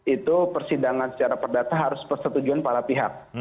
itu persidangan secara perdata harus persetujuan para pihak